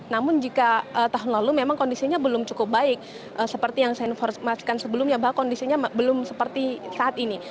namun jika tahun lalu memang kondisinya belum cukup baik seperti yang saya informasikan sebelumnya bahwa kondisinya belum seperti saat ini